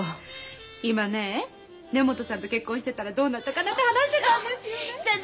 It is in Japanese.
今ね根本さんと結婚してたらどうなったかなって話してたんですよね。